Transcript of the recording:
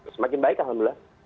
semakin baik alhamdulillah